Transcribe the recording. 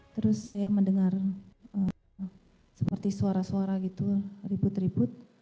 terus saya mendengar seperti suara suara gitu ribut ribut